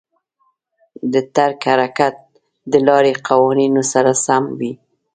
د ټرک حرکت د لارې قوانینو سره سم وي.